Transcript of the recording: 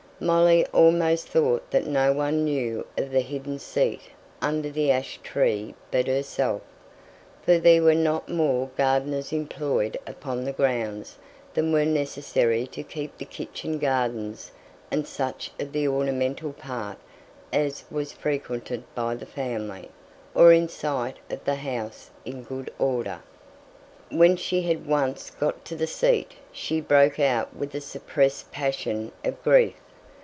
Molly almost thought that no one knew of the hidden seat under the ash tree but herself; for there were not more gardeners employed upon the grounds than were necessary to keep the kitchen gardens and such of the ornamental part as was frequented by the family, or in sight of the house, in good order. When she had once got to the seat she broke out with suppressed passion of grief.